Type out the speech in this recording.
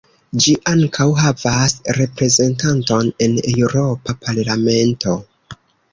Ĝi ankaŭ havas reprezentanton en Eŭropa Parlamento.